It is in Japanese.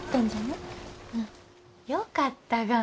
うん。よかったがん。